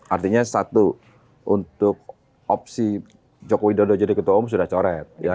artinya satu untuk opsi joko widodo jadi ketua umum sudah coret